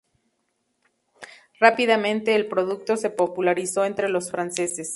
Rápidamente el producto se popularizó entre los franceses.